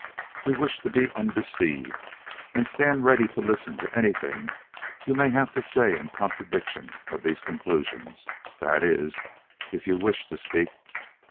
We wish to be undeceived, and stand ready to listen to anything you may have to say in contradiction of these conclusions. That is, if you wish to speak.